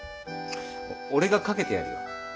俺がかけてやるよ。